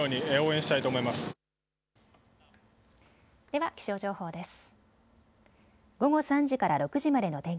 では気象情報です。